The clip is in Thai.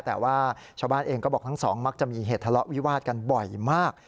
แต่ว่าชาวบ้านเองก็บอกทั้งสองมักจะมีเหตุทะเลาะวิวาดกันบ่อยมาก